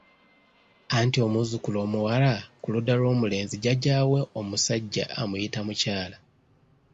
Anti omuzzukulu omuwala ku ludda lw’omulenzi jjajjaawe omusajja amuyita mukyala.